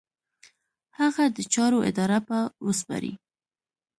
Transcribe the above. هغه د چارو اداره به وسپاري.